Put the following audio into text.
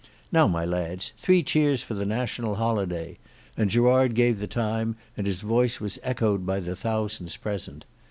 Now, my lads, three cheers for the National Holiday," and Gerard gave the time, and his voice was echoed by the thousands present.